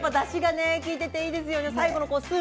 だしが利いていておいしいですよね。